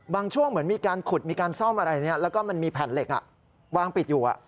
ช่วงเหมือนมีการขุดมีการซ่อมอะไรแล้วก็มันมีแผ่นเหล็กวางปิดอยู่